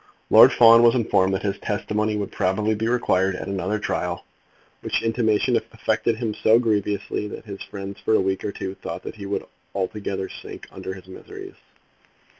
Lord Fawn was informed that his testimony would probably be required at another trial, which intimation affected him so grievously that his friends for a week or two thought that he would altogether sink under his miseries.